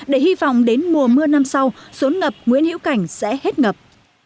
để hy vọng đến mùa mưa năm sau sốn ngập nguyễn hiễu cảnh sẽ hết ngập